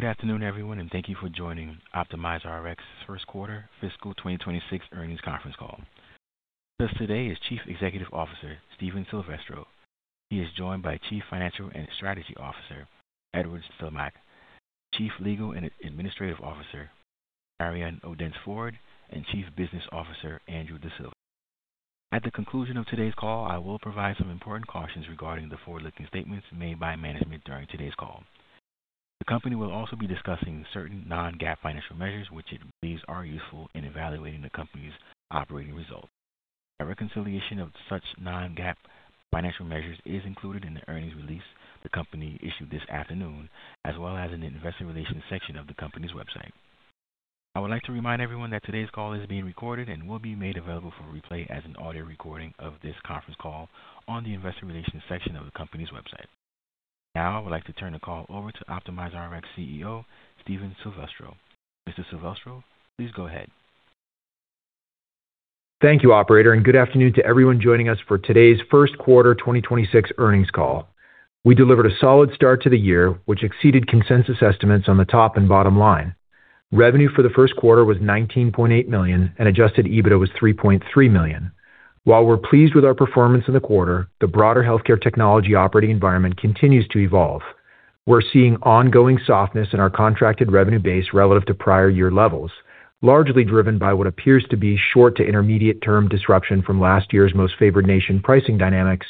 Good afternoon, everyone, and thank you for joining OptimizeRx's first quarter fiscal 2026 earnings conference call. With us today is Chief Executive Officer, Steve Silvestro. He is joined by Chief Financial and Strategy Officer, Edward Stelmakh, Chief Legal and Administrative Officer, Marion Odence-Ford, and Chief Business Officer, Andy D'Silva. At the conclusion of today's call, I will provide some important cautions regarding the forward-looking statements made by management during today's call. The company will also be discussing certain non-GAAP financial measures, which it believes are useful in evaluating the company's operating results. A reconciliation of such non-GAAP financial measures is included in the earnings release the company issued this afternoon, as well as in the investor relations section of the company's website. I would like to remind everyone that today's call is being recorded and will be made available for replay as an audio recording of this conference call on the investor relations section of the company's website. Now, I would like to turn the call over to OptimizeRx CEO, Steve Silvestro. Mr. Silvestro, please go ahead. Thank you, operator, and good afternoon to everyone joining us for today's first quarter 2026 earnings call. We delivered a solid start to the year, which exceeded consensus estimates on the top and bottom line. Revenue for the first quarter was $19.8 million and adjusted EBITDA was $3.3 million. While we're pleased with our performance in the quarter, the broader healthcare technology operating environment continues to evolve. We're seeing ongoing softness in our contracted revenue base relative to prior year levels, largely driven by what appears to be short to intermediate term disruption from last year's most favored nation pricing dynamics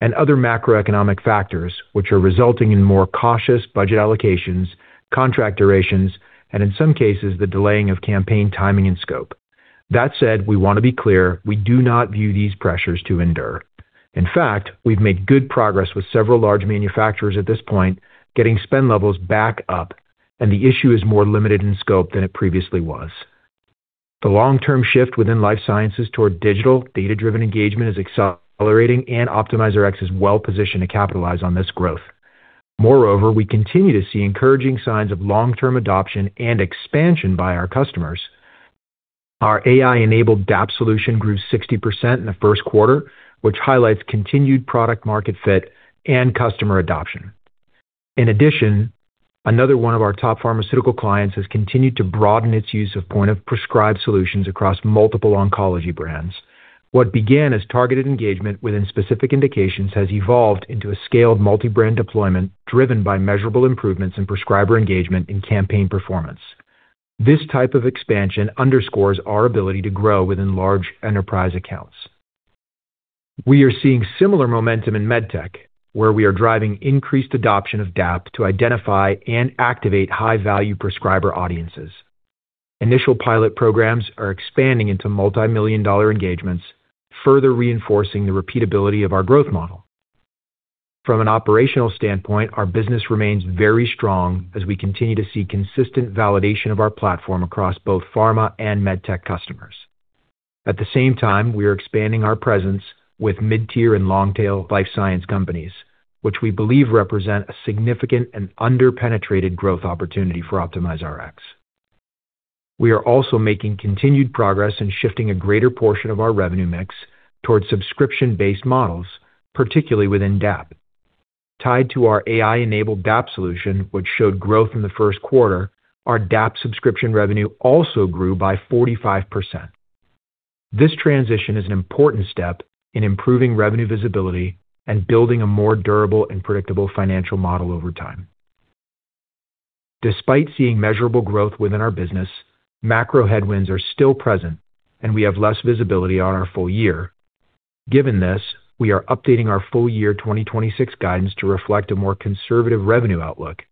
and other macroeconomic factors, which are resulting in more cautious budget allocations, contract durations, and in some cases, the delaying of campaign timing and scope. That said, we wanna be clear, we do not view these pressures to endure. In fact, we've made good progress with several large manufacturers at this point, getting spend levels back up, and the issue is more limited in scope than it previously was. The long-term shift within life sciences toward digital data-driven engagement is accelerating and OptimizeRx is well-positioned to capitalize on this growth. We continue to see encouraging signs of long-term adoption and expansion by our customers. Our AI-enabled DAAP solution grew 60% in the first quarter, which highlights continued product market fit and customer adoption. Another one of our top pharmaceutical clients has continued to broaden its use of point of prescribe solutions across multiple oncology brands. What began as targeted engagement within specific indications has evolved into a scaled multi-brand deployment driven by measurable improvements in prescriber engagement and campaign performance. This type of expansion underscores our ability to grow within large enterprise accounts. We are seeing similar momentum in med tech, where we are driving increased adoption of DAAP to identify and activate high-value prescriber audiences. Initial pilot programs are expanding into multi-million dollar engagements, further reinforcing the repeatability of our growth model. From an operational standpoint, our business remains very strong as we continue to see consistent validation of our platform across both pharma and med tech customers. At the same time, we are expanding our presence with mid-tier and long-tail life science companies, which we believe represent a significant and under-penetrated growth opportunity for OptimizeRx. We are also making continued progress in shifting a greater portion of our revenue mix towards subscription-based models, particularly within DAAP. Tied to our AI-enabled DAAP solution, which showed growth in the first quarter, our DAAP subscription revenue also grew by 45%. This transition is an important step in improving revenue visibility and building a more durable and predictable financial model over time. Despite seeing measurable growth within our business, macro headwinds are still present, and we have less visibility on our full year. Given this, we are updating our full year 2026 guidance to reflect a more conservative revenue outlook.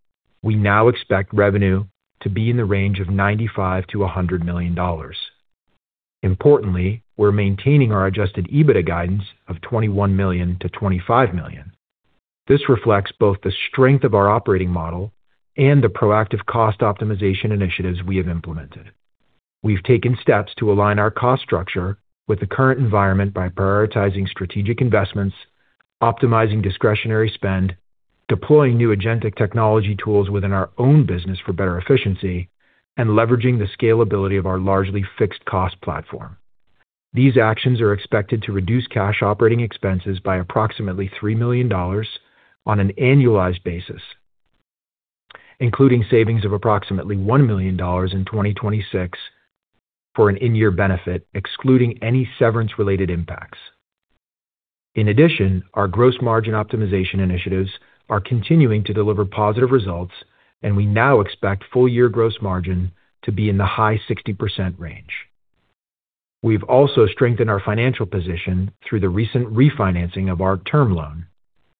We now expect revenue to be in the range of $95 million-$100 million. Importantly, we're maintaining our adjusted EBITDA guidance of $21 million-$25 million. This reflects both the strength of our operating model and the proactive cost optimization initiatives we have implemented. We've taken steps to align our cost structure with the current environment by prioritizing strategic investments, optimizing discretionary spend, deploying new agentic technology tools within our own business for better efficiency, and leveraging the scalability of our largely fixed cost platform. These actions are expected to reduce cash operating expenses by approximately $3 million on an annualized basis, including savings of approximately $1 million in 2026 for an in-year benefit, excluding any severance related impacts. In addition, our gross margin optimization initiatives are continuing to deliver positive results, and we now expect full year gross margin to be in the high 60% range. We've also strengthened our financial position through the recent refinancing of our term loan.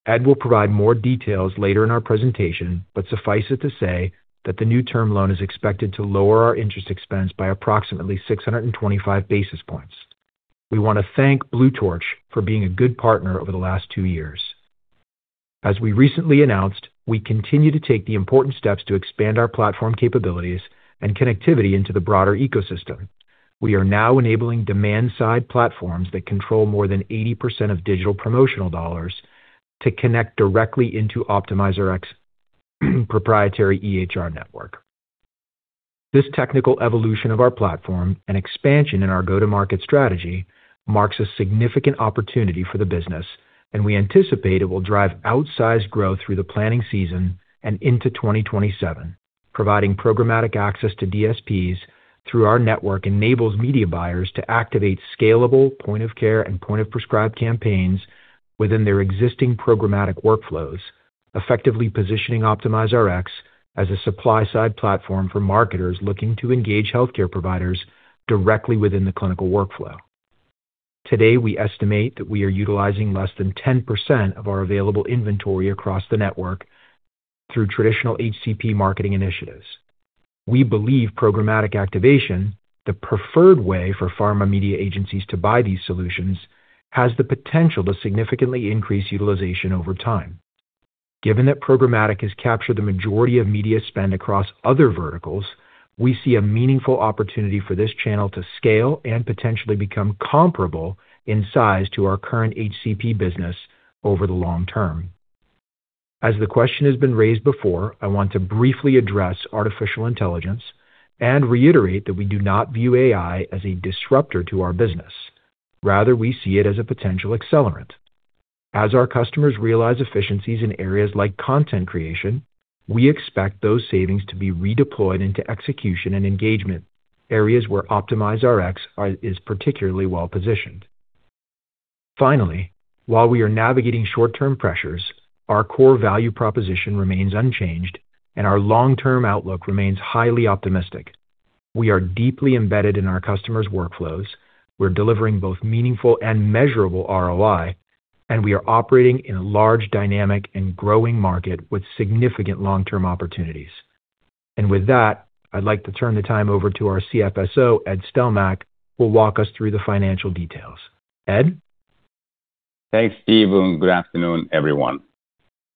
Ed will provide more details later in our presentation, but suffice it to say that the new term loan is expected to lower our interest expense by approximately 625 basis points. We wanna thank Blue Torch for being a good partner over the last two years. As we recently announced, we continue to take the important steps to expand our platform capabilities and connectivity into the broader ecosystem. We are now enabling demand side platforms that control more than 80% of digital promotional dollars to connect directly into OptimizeRx proprietary EHR network. This technical evolution of our platform and expansion in our go-to-market strategy marks a significant opportunity for the business, and we anticipate it will drive outsized growth through the planning season and into 2027. Providing programmatic access to DSPs through our network enables media buyers to activate scalable point-of-care and point-of-prescribe campaigns within their existing programmatic workflows, effectively positioning OptimizeRx as a supply-side platform for marketers looking to engage healthcare providers directly within the clinical workflow. Today, we estimate that we are utilizing less than 10% of our available inventory across the network through traditional HCP marketing initiatives. We believe programmatic activation, the preferred way for pharma media agencies to buy these solutions, has the potential to significantly increase utilization over time. Given that programmatic has captured the majority of media spend across other verticals, we see a meaningful opportunity for this channel to scale and potentially become comparable in size to our current HCP business over the long term. As the question has been raised before, I want to briefly address artificial intelligence and reiterate that we do not view AI as a disruptor to our business. Rather, we see it as a potential accelerant. As our customers realize efficiencies in areas like content creation, we expect those savings to be redeployed into execution and engagement, areas where OptimizeRx is particularly well-positioned. Finally, while we are navigating short-term pressures, our core value proposition remains unchanged and our long-term outlook remains highly optimistic. We are deeply embedded in our customers' workflows. We're delivering both meaningful and measurable ROI, and we are operating in a large dynamic and growing market with significant long-term opportunities. With that, I'd like to turn the time over to our CFSO, Ed Stelmakh, who will walk us through the financial details. Ed? Thanks, Steve. Good afternoon, everyone.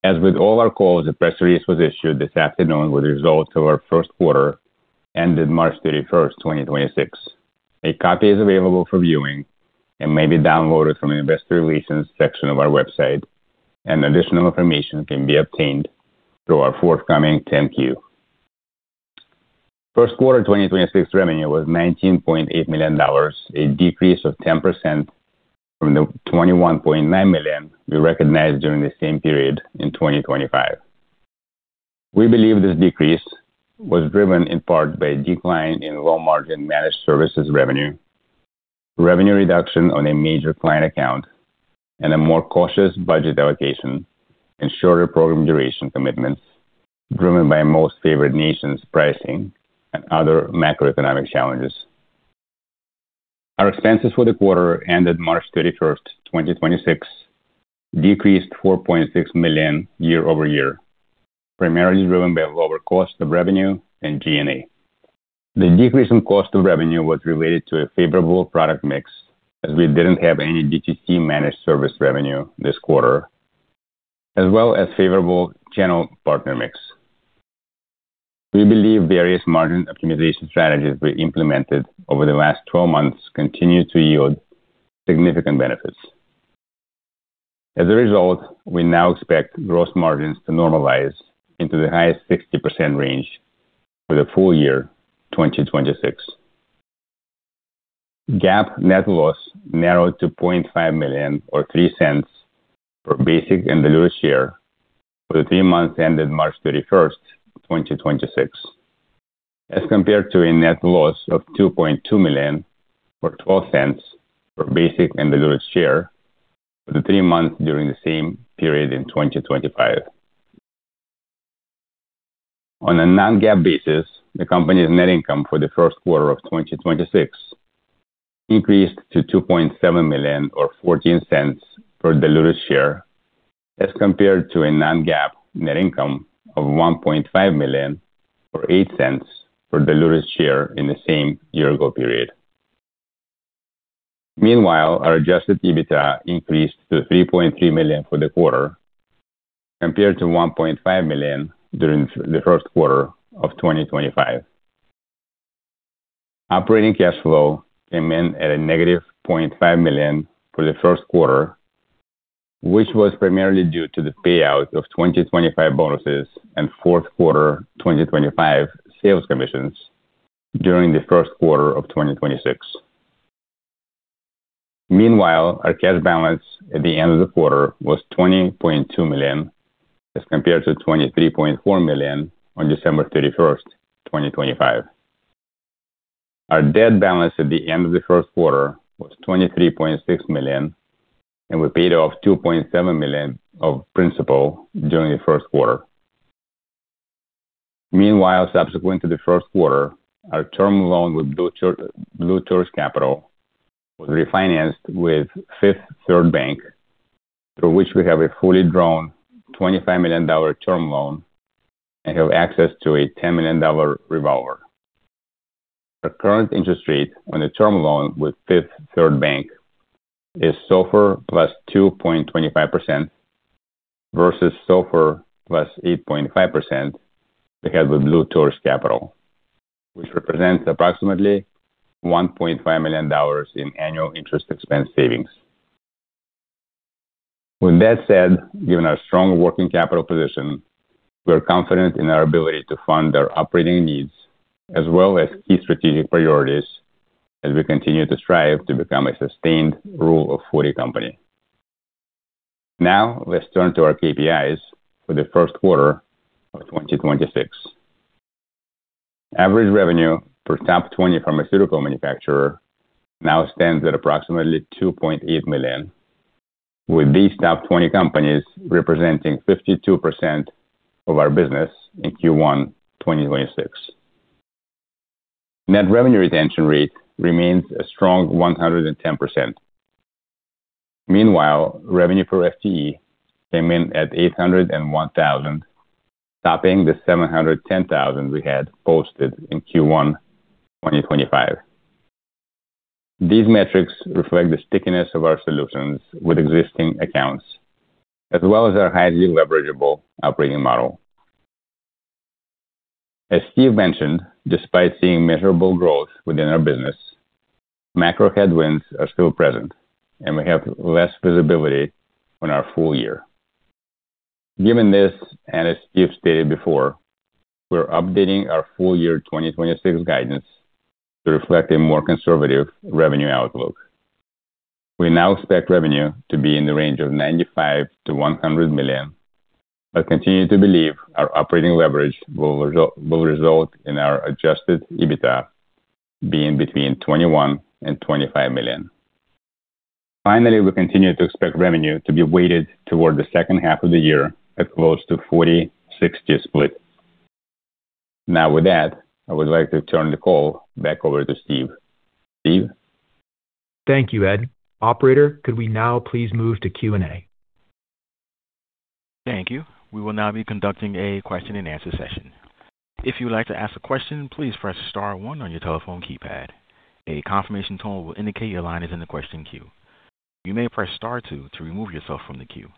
As with all our calls, a press release was issued this afternoon with the results of our first quarter ended March 31st, 2026. A copy is available for viewing and may be downloaded from the investor relations section of our website. Additional information can be obtained through our forthcoming 10-Q. First quarter 2026 revenue was $19.8 million, a decrease of 10% from the $21.9 million we recognized during the same period in 2025. We believe this decrease was driven in part by a decline in low-margin managed services, revenue reduction on a major client account, and a more cautious budget allocation and shorter program duration commitments driven by most-favored-nation pricing and other macroeconomic challenges. Our expenses for the quarter ended March 31st, 2026, decreased $4.6 million year-over-year, primarily driven by lower cost of revenue and G&A. The decrease in cost of revenue was related to a favorable product mix, as we didn't have any DTC managed service revenue this quarter, as well as favorable channel partner mix. We believe various margin optimization strategies we implemented over the last 12 months continue to yield significant benefits. As a result, we now expect gross margins to normalize into the highest 60% range for the full year 2026. GAAP net loss narrowed to $0.5 million or $0.03 per basic and diluted share for the three months ended March 31st, 2026, as compared to a net loss of $2.2 million or $0.12 per basic and diluted share for the three months during the same period in 2025. On a non-GAAP basis, the company's net income for the first quarter of 2026 increased to $2.7 million or $0.14 per diluted share as compared to a non-GAAP net income of $1.5 million or $0.08 per diluted share in the same year-ago period. Meanwhile, our adjusted EBITDA increased to $3.3 million for the quarter compared to $1.5 million during the first quarter of 2025. Operating cash flow came in at -$0.5 million for the first quarter, which was primarily due to the payout of 2025 bonuses and fourth quarter 2025 sales commissions during the first quarter of 2026. Meanwhile, our cash balance at the end of the quarter was $20.2 million as compared to $23.4 million on December 31st, 2025. Our debt balance at the end of the first quarter was $23.6 million, and we paid off $2.7 million of principal during the first quarter. Meanwhile, subsequent to the first quarter, our term loan with Blue Torch Capital was refinanced with Fifth Third Bank, through which we have a fully drawn $25 million term loan and have access to a $10 million revolver. Our current interest rate on the term loan with Fifth Third Bank is SOFR +2.25% versus SOFR +8.5% we had with Blue Torch Capital, which represents approximately $1.5 million in annual interest expense savings. Given our strong working capital position, we are confident in our ability to fund our operating needs as well as key strategic priorities as we continue to strive to become a sustained Rule of 40 company. Let's turn to our KPIs for the first quarter of 2026. Average revenue per top 20 pharmaceutical manufacturer now stands at approximately $2.8 million, with these top 20 companies representing 52% of our business in Q1 2026. Net revenue retention rate remains a strong 110%. Meanwhile, revenue per FTE came in at $801,000, topping the $710,000 we had posted in Q1 2025. These metrics reflect the stickiness of our solutions with existing accounts, as well as our highly leverageable operating model. As Steve mentioned, despite seeing measurable growth within our business, macro headwinds are still present, and we have less visibility on our full year. Given this, and as Steve stated before, we're updating our full year 2026 guidance to reflect a more conservative revenue outlook. We now expect revenue to be in the range of $95 million-$100 million, but continue to believe our operating leverage will result in our adjusted EBITDA being between $21 million and $25 million. Finally, we continue to expect revenue to be weighted toward the second half of the year at close to 40/60 split. Now, with that, I would like to turn the call back over to Steve. Steve? Thank you, Ed. Operator, could we now please move to Q&A? Thank you. We will now be conducting a question-and-answer session. If you would like to ask a question, please press star one on your telephone keypad. A confirmation tone will indicate your line is in the question queue. You may press star two to remove yourself from the queue.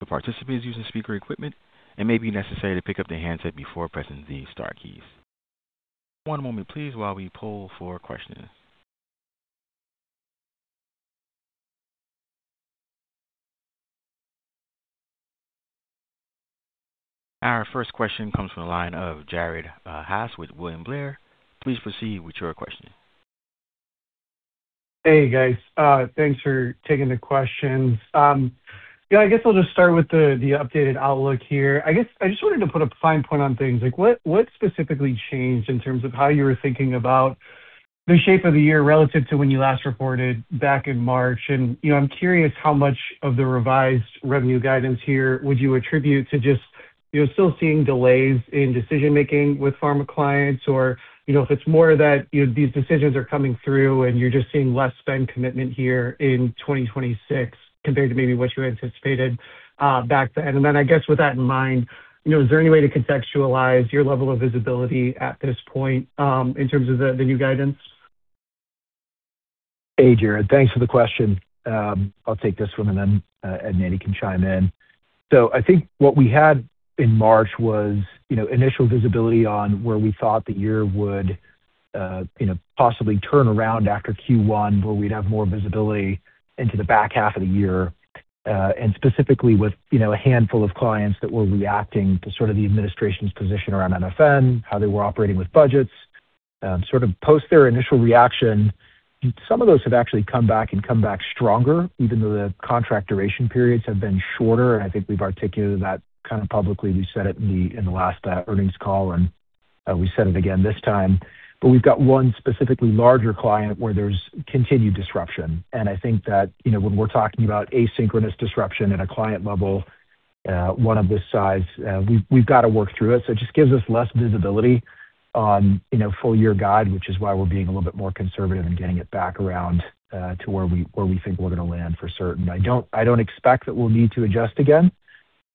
If a participant is using speaker equipment, it may be necessary to pick up the handset before pressing the star keys. One moment please while we poll for questions. Our first question comes from the line of Jared Haase with William Blair. Please proceed with your question. Hey, guys. Thanks for taking the questions. I guess I'll just start with the updated outlook here. I guess I just wanted to put a fine point on things. Like, what specifically changed in terms of how you were thinking about the shape of the year relative to when you last reported back in March? You know, I'm curious how much of the revised revenue guidance here would you attribute to just, you know, still seeing delays in decision-making with pharma clients, or, you know, if it's more that, you know, these decisions are coming through and you're just seeing less spend commitment here in 2026 compared to maybe what you anticipated back then. I guess with that in mind, you know, is there any way to contextualize your level of visibility at this point, in terms of the new guidance? Hey, Jared. Thanks for the question. I'll take this one, and then Ed and Andy can chime in. I think what we had in March was, you know, initial visibility on where we thought the year would, you know, possibly turn around after Q1, where we'd have more visibility into the back half of the year. Specifically with, you know, a handful of clients that were reacting to sort of the administration's position around MFN, how they were operating with budgets. Sort of post their initial reaction, some of those have actually come back and come back stronger, even though the contract duration periods have been shorter. I think we've articulated that kind of publicly. We said it in the last earnings call, we said it again this time. We've got one specifically larger client where there's continued disruption. I think that, you know, when we're talking about asynchronous disruption at a client level, one of this size, we've got to work through it. It just gives us less visibility on, you know, full year guide, which is why we're being a little bit more conservative and getting it back around to where we think we're going to land for certain. I don't expect that we'll need to adjust again,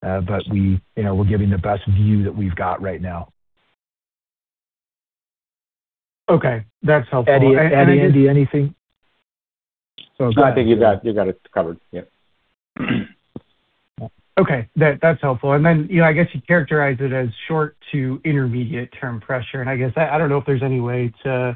but we, you know, we're giving the best view that we've got right now. Okay. That's helpful. Andy, anything? No, I think you got it covered. Yeah. Okay. That's helpful. Then, you know, I guess you characterize it as short to intermediate term pressure. I guess I don't know if there's any way to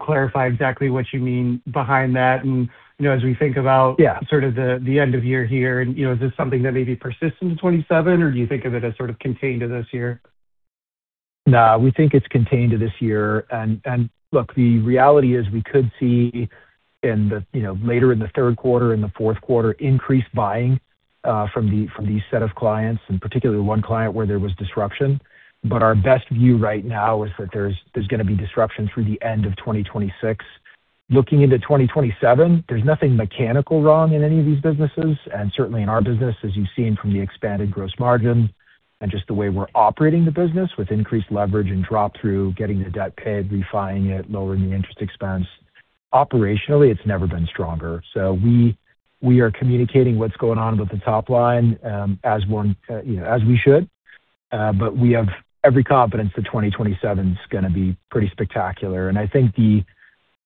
clarify exactly what you mean behind that. You know, as we think about. Yeah. sort of the end of year here and, you know, is this something that maybe persists into 2027, or do you think of it as sort of contained to this year? No, we think it's contained to this year. The reality is we could see in the, you know, later in the third quarter, in the fourth quarter, increased buying from the set of clients, and particularly one client where there was disruption. Our best view right now is that there's gonna be disruption through the end of 2026. Looking into 2027, there's nothing mechanical wrong in any of these businesses, and certainly in our business, as you've seen from the expanded gross margin and just the way we're operating the business with increased leverage and drop through, getting the debt paid, refining it, lowering the interest expense. Operationally, it's never been stronger. We, we are communicating what's going on with the top line, as one, you know, as we should. We have every confidence that 2027 is gonna be pretty spectacular. I think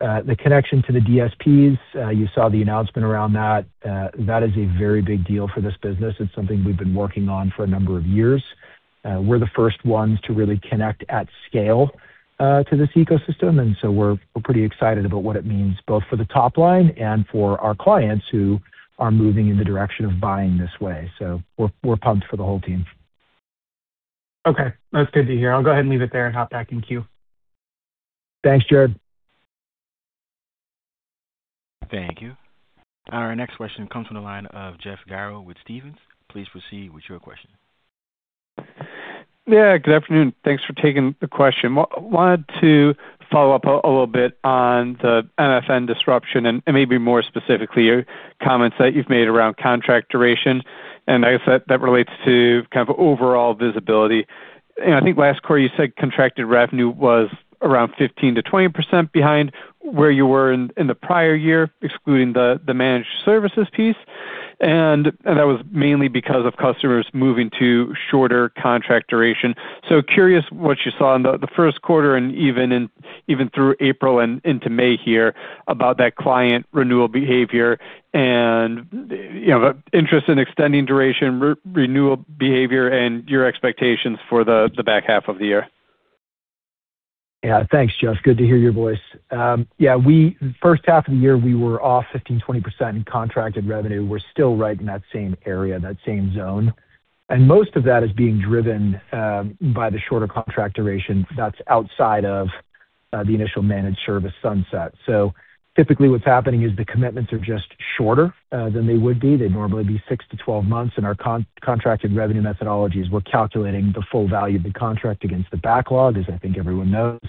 the connection to the DSPs, you saw the announcement around that is a very big deal for this business. It's something we've been working on for a number of years. We're the first ones to really connect at scale, to this ecosystem, and we're pretty excited about what it means both for the top line and for our clients who are moving in the direction of buying this way. We're, we're pumped for the whole team. Okay. That's good to hear. I'll go ahead and leave it there and hop back in queue. Thanks, Jared. Thank you. Our next question comes from the line of Jeff Garro with Stephens. Please proceed with your question. Good afternoon. Thanks for taking the question. Wanted to follow up a little bit on the MFN disruption and maybe more specifically your comments that you've made around contract duration. I guess that relates to kind of overall visibility. I think last quarter you said contracted revenue was around 15%-20% behind where you were in the prior year, excluding the managed services piece. And that was mainly because of customers moving to shorter contract duration. Curious what you saw in the first quarter and even through April and into May here about that client renewal behavior and, you know, interest in extending duration renewal behavior and your expectations for the back half of the year. Yeah. Thanks, Jeff. Good to hear your voice. Yeah, first half of the year, we were off 15%, 20% in contracted revenue. We're still right in that same area, that same zone. Most of that is being driven by the shorter contract duration that's outside of the initial managed service sunset. Typically, what's happening is the commitments are just shorter than they would be. They'd normally be six to 12 months, our contracted revenue methodology is we're calculating the full value of the contract against the backlog, as I think everyone knows.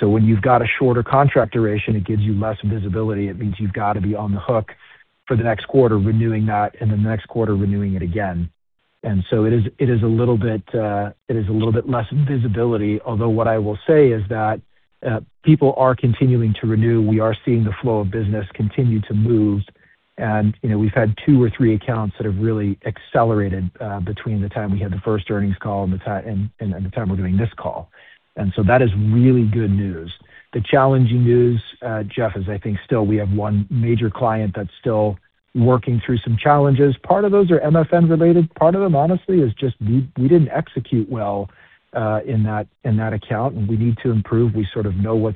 When you've got a shorter contract duration, it gives you less visibility. It means you've got to be on the hook for the next quarter renewing that and then the next quarter renewing it again. It is a little bit less visibility, although what I will say is that people are continuing to renew. We are seeing the flow of business continue to move, you know, we've had two or three accounts that have really accelerated between the time we had the first earnings call and the time we're doing this call. That is really good news. The challenging news, Jeff, is I think still we have one major client that's still working through some challenges. Part of those are MFN related. Part of them, honestly, is just we didn't execute well in that, in that account and we need to improve. We sort of know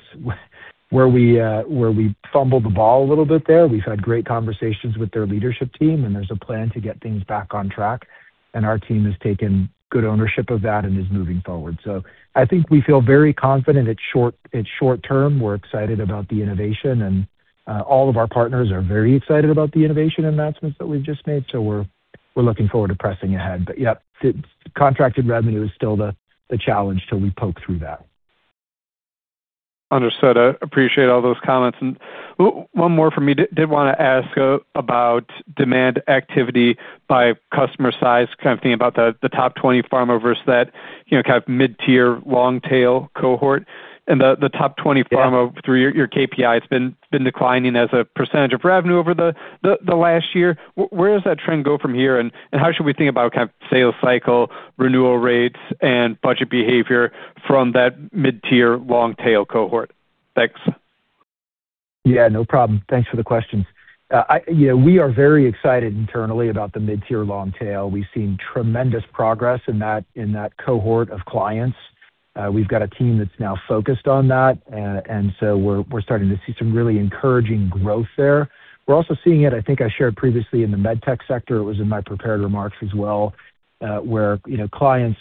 where we fumbled the ball a little bit there. We've had great conversations with their leadership team, and there's a plan to get things back on track, and our team has taken good ownership of that and is moving forward. I think we feel very confident it's short term. We're excited about the innovation and all of our partners are very excited about the innovation announcements that we've just made, so we're looking forward to pressing ahead. Yeah, the contracted revenue is still the challenge till we poke through that. Understood. Appreciate all those comments. One more from me. Did wanna ask about demand activity by customer size, kind of thinking about the top 20 pharma versus that, you know, kind of mid-tier, long tail cohort. Yeah Through your KPI, it's been declining as a percentage of revenue over the last year. Where does that trend go from here, and how should we think about kind of sales cycle, renewal rates, and budget behavior from that mid-tier, long tail cohort? Thanks. Yeah, no problem. Thanks for the questions. You know, we are very excited internally about the mid-tier long tail. We've seen tremendous progress in that cohort of clients. We've got a team that's now focused on that. We're starting to see some really encouraging growth there. We're also seeing it, I think I shared previously in the med tech sector, it was in my prepared remarks as well, where, you know, clients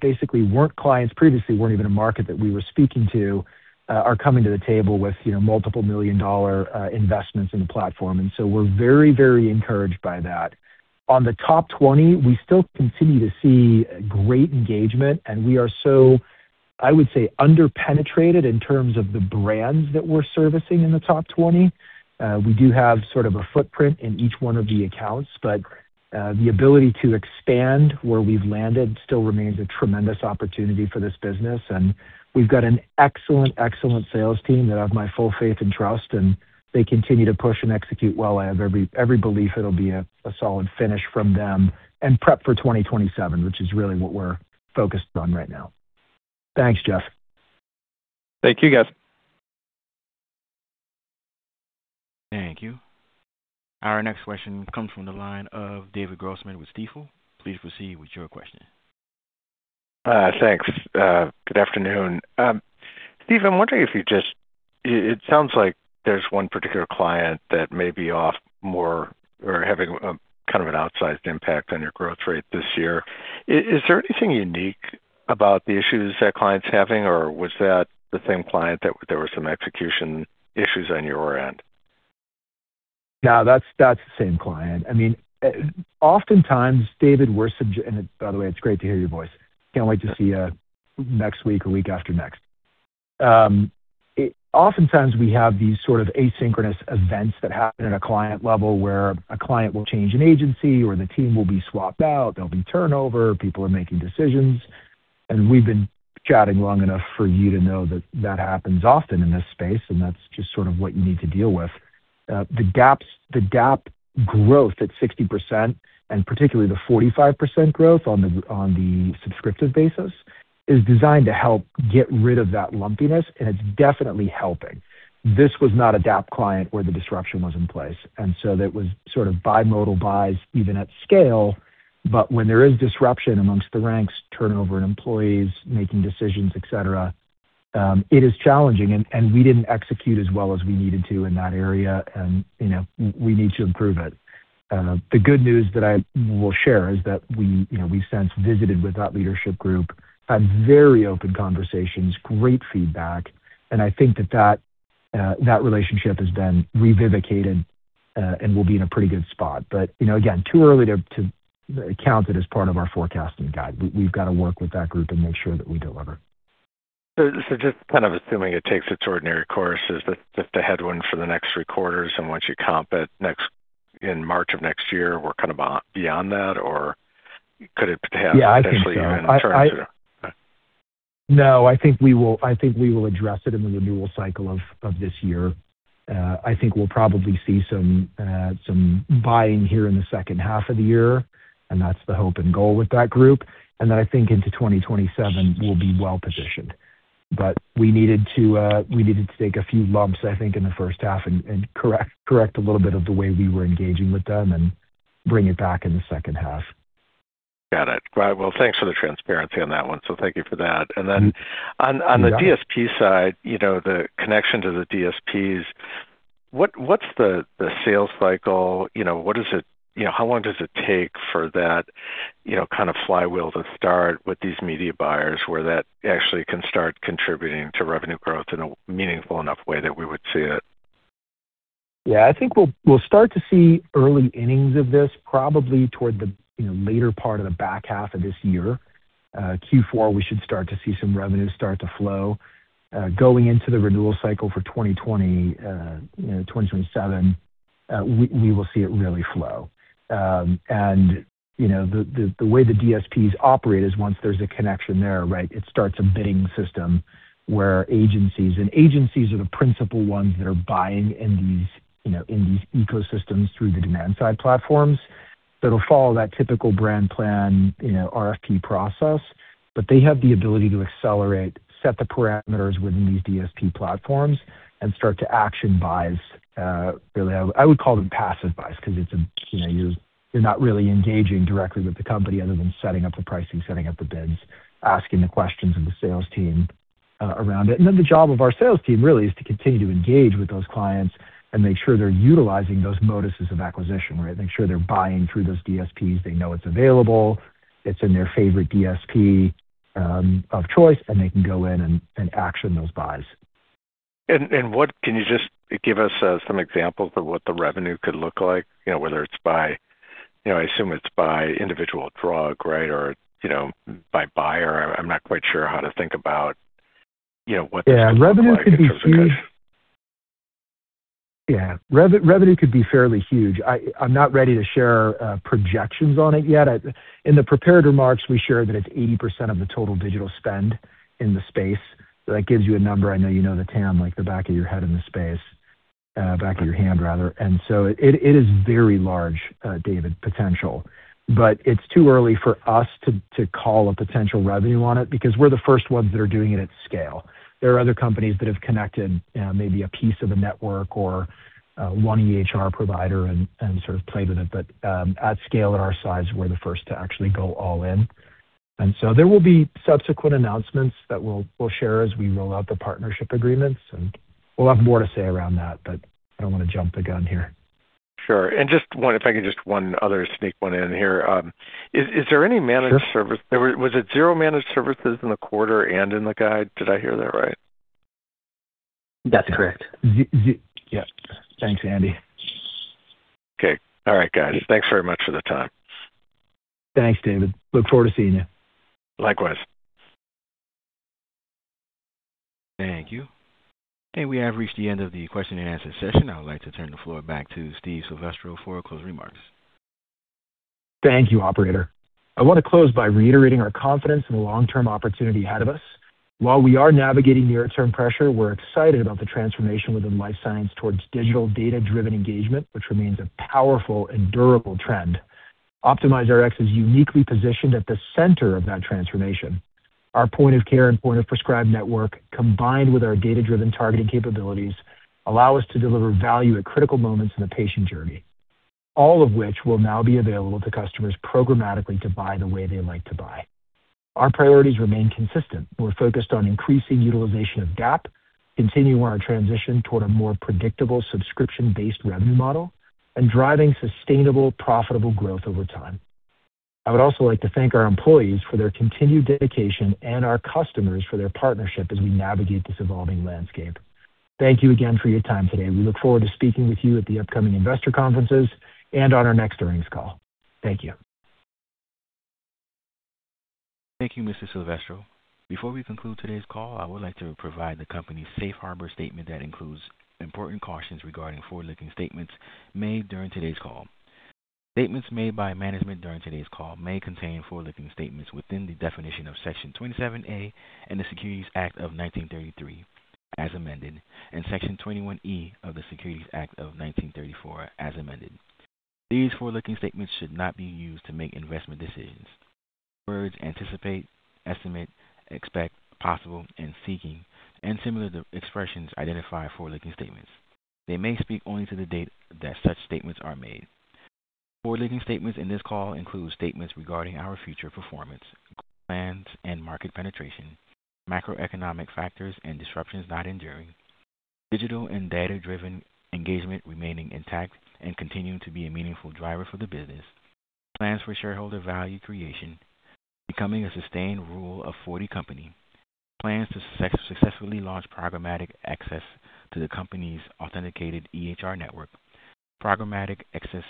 basically weren't clients previously, weren't even a market that we were speaking to, are coming to the table with, you know, multiple million dollar investments in the platform. We're very, very encouraged by that. On the top 20, we still continue to see great engagement, and we are so, I would say, under-penetrated in terms of the brands that we're servicing in the top 20. We do have sort of a footprint in each one of the accounts, but the ability to expand where we've landed still remains a tremendous opportunity for this business. We've got an excellent sales team that have my full faith and trust, and they continue to push and execute well. I have every belief it'll be a solid finish from them and prep for 2027, which is really what we're focused on right now. Thanks, Jeff. Thank you, guys. Thank you. Our next question comes from the line of David Grossman with Stifel. Please proceed with your question. Thanks. Good afternoon. Steve, I'm wondering. It sounds like there's one particular client that may be off more or having a kind of an outsized impact on your growth rate this year. Is there anything unique about the issues that client's having, or was that the same client that there were some execution issues on your end? No, that's the same client. I mean, oftentimes, David, by the way, it's great to hear your voice. Can't wait to see you next week or week after next. Oftentimes we have these sort of asynchronous events that happen at a client level where a client will change an agency or the team will be swapped out, there'll be turnover, people are making decisions. We've been chatting long enough for you to know that that happens often in this space, and that's just sort of what you need to deal with. The DAAP growth at 60%, and particularly the 45% growth on the, on the subscriptive basis is designed to help get rid of that lumpiness, and it's definitely helping. This was not a DAAP client where the disruption was in place, and so that was sort of bimodal buys even at scale. When there is disruption amongst the ranks, turnover in employees making decisions, et cetera, it is challenging and we didn't execute as well as we needed to in that area. You know, we need to improve it. The good news that I will share is that we, you know, we since visited with that leadership group, had very open conversations, great feedback, and I think that relationship has been revivicated and will be in a pretty good spot. You know, again, too early to count it as part of our forecasting guide. We've got to work with that group and make sure that we deliver. Just kind of assuming it takes its ordinary course, is that just a headwind for the next three quarters and once you comp it in March of next year, we're kind of beyond that, or could it? Yeah, I think so. Even turn sooner? No, I think we will, I think we will address it in the renewal cycle of this year. I think we'll probably see some buying here in the second half of the year, and that's the hope and goal with that group. I think into 2027 we'll be well-positioned. We needed to, we needed to take a few lumps, I think, in the first half and correct a little bit of the way we were engaging with them and bring it back in the second half. Got it. Well, thanks for the transparency on that one. Thank you for that. On the DSP side, you know, the connection to the DSPs, what's the sales cycle? You know, how long does it take for that, you know, kind of flywheel to start with these media buyers where that actually can start contributing to revenue growth in a meaningful enough way that we would see it? Yeah. I think we'll start to see early innings of this probably toward the, you know, later part of the back half of this year. Q4, we should start to see some revenue start to flow. Going into the renewal cycle for 2027, we will see it really flow. You know, the way the DSPs operate is once there's a connection there, right, it starts a bidding system where agencies and agencies are the principal ones that are buying in these, you know, in these ecosystems through the demand-side platforms. It'll follow that typical brand plan, you know, RFP process, but they have the ability to accelerate, set the parameters within these DSP platforms and start to action buys. Really, I would call them passive buys because it's, you know, you're not really engaging directly with the company other than setting up the pricing, setting up the bids, asking the questions of the sales team around it. The job of our sales team really is to continue to engage with those clients and make sure they're utilizing those moduses of acquisition, right? Make sure they're buying through those DSPs. They know it's available, it's in their favorite DSP of choice, and they can go in and action those buys. Can you just give us some examples of what the revenue could look like? You know, whether it's by I assume it's by individual drug, right? You know, by buyer. I'm not quite sure how to think about, you know, what this could look like in terms of- Yeah. Revenue could be huge. Yeah. Revenue could be fairly huge. I'm not ready to share projections on it yet. In the prepared remarks, we shared that it's 80% of the total digital spend in the space. That gives you a number. I know you know the TAM like the back of your head in the space. Back of your hand rather. It is very large, David, potential. It's too early for us to call a potential revenue on it because we're the first ones that are doing it at scale. There are other companies that have connected maybe a piece of a network or one EHR provider and sort of played with it. At scale at our size, we're the first to actually go all in. There will be subsequent announcements that we'll share as we roll out the partnership agreements, and we'll have more to say around that, but I don't want to jump the gun here. Sure. Just one, if I could just one other sneak one in here. Is there any managed service? Was it zero managed services in the quarter and in the guide? Did I hear that right? That's correct. Yeah. Thanks, Andy. Okay. All right, guys. Thanks very much for the time. Thanks, David. Look forward to seeing you. Likewise. Thank you. We have reached the end of the question and answer session. I would like to turn the floor back to Steve Silvestro for closing remarks. Thank you, operator. I want to close by reiterating our confidence in the long-term opportunity ahead of us. While we are navigating near-term pressure, we're excited about the transformation within life science towards digital data-driven engagement, which remains a powerful and durable trend. OptimizeRx is uniquely positioned at the center of that transformation. Our point of care and point of prescribe network, combined with our data-driven targeting capabilities, allow us to deliver value at critical moments in the patient journey. All of which will now be available to customers programmatically to buy the way they like to buy. Our priorities remain consistent. We're focused on increasing utilization of DAAP, continuing our transition toward a more predictable subscription-based revenue model, and driving sustainable, profitable growth over time. I would also like to thank our employees for their continued dedication and our customers for their partnership as we navigate this evolving landscape. Thank you again for your time today. We look forward to speaking with you at the upcoming investor conferences and on our next earnings call. Thank you. Thank you, Mr. Silvestro. Before we conclude today's call, I would like to provide the company's safe harbor statement that includes important cautions regarding forward-looking statements made during today's call. Statements made by management during today's call may contain forward-looking statements within the definition of Section 27A in the Securities Act of 1933, as amended, and Section 21E of the Securities Exchange Act of 1934, as amended. These forward-looking statements should not be used to make investment decisions. The words anticipate, estimate, expect, possible, and seeking, and similar expressions identify forward-looking statements. They may speak only to the date that such statements are made. Forward-looking statements in this call include statements regarding our future performance, growth plans, and market penetration, macroeconomic factors and disruptions not enduring, digital and data-driven engagement remaining intact and continuing to be a meaningful driver for the business, plans for shareholder value creation, becoming a sustained Rule of 40 company, plans to successfully launch programmatic access to the company's authenticated EHR network, programmatic access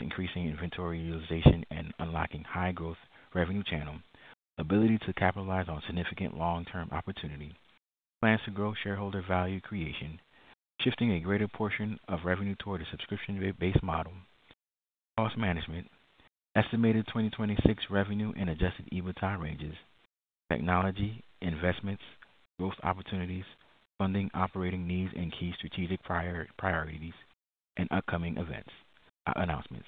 increasing inventory utilization, and unlocking high-growth revenue channel, ability to capitalize on significant long-term opportunity, plans to grow shareholder value creation, shifting a greater portion of revenue toward a subscription-based model, cost management, estimated 2026 revenue and adjusted EBITDA ranges, technology, investments, growth opportunities, funding operating needs and key strategic priorities, and upcoming events, announcements.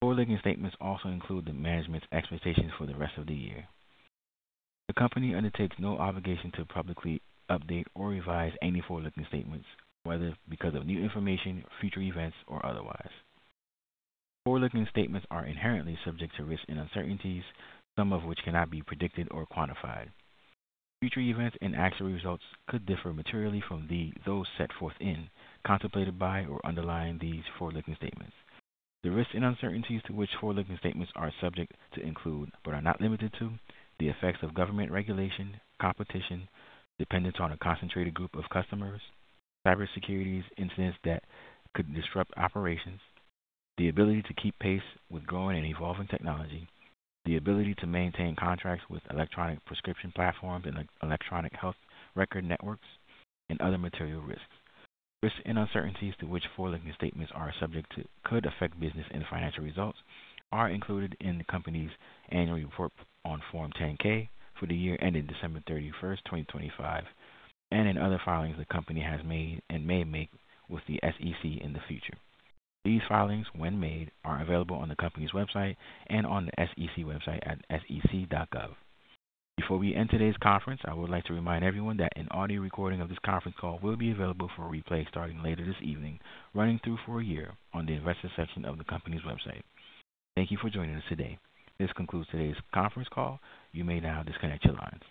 Forward-looking statements also include the management's expectations for the rest of the year. The company undertakes no obligation to publicly update or revise any forward-looking statements, whether because of new information, future events, or otherwise. Forward-looking statements are inherently subject to risks and uncertainties, some of which cannot be predicted or quantified. Future events and actual results could differ materially from those set forth in, contemplated by or underlying these forward-looking statements. The risks and uncertainties to which forward-looking statements are subject to include, but are not limited to, the effects of government regulation, competition, dependence on a concentrated group of customers, cybersecurity incidents that could disrupt operations, the ability to keep pace with growing and evolving technology, the ability to maintain contracts with electronic prescription platforms and electronic health record networks, and other material risks. Risks and uncertainties to which forward-looking statements are subject to could affect business and financial results are included in the company's annual report on Form 10-K for the year ended December 31, 2025, and in other filings the company has made and may make with the SEC in the future. These filings, when made, are available on the company's website and on the SEC website at sec.gov. Before we end today's conference, I would like to remind everyone that an audio recording of this conference call will be available for replay starting later this evening, running through for a year on the investor section of the company's website. Thank you for joining us today. This concludes today's conference call. You may now disconnect your lines.